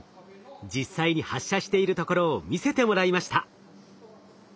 実際に発射しているところを見せてもらいました。